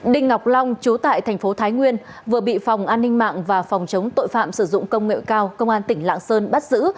đinh ngọc long chú tại thành phố thái nguyên vừa bị phòng an ninh mạng và phòng chống tội phạm sử dụng công nghệ cao công an tỉnh lạng sơn bắt giữ